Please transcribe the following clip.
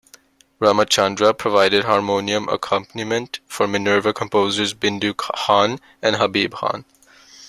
Ramachandra provided harmonium accompaniment for Minerva composers Bindu Khan and Habib Khan.